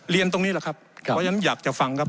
เรียนตรงนี้ละครับอยากจะฟังครับ